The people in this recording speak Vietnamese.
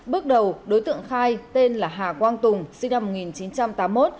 bước đầu đối tượng khai tên là hà quang tùng sinh năm một nghìn chín trăm tám mươi một